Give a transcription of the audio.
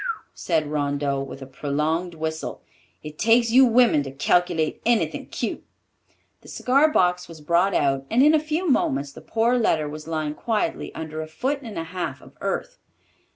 "Whew ew," said Rondeau, with a prolonged whistle, "it takes you women to calculate anything cute!" The cigar box was brought out, and in a few moments the poor letter was lying quietly under a foot and a half of earth.